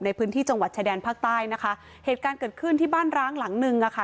ในพื้นที่จังหวัดชายแดนภาคใต้นะคะเหตุการณ์เกิดขึ้นที่บ้านร้างหลังหนึ่งอ่ะค่ะ